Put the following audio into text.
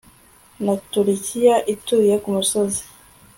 na turukiya ituye kumusozi